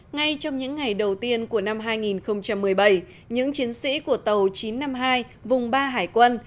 ngay trong những ngày đầu tiên của năm hai nghìn một mươi bảy những chiến sĩ của tàu chín trăm năm mươi hai vùng ba hải quân